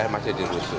masih di rusun